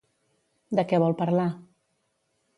De què vol parlar?